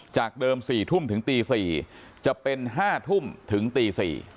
จากเดิม๔ทุ่มถึงตี๔จะเป็น๕ทุ่มถึงตี๔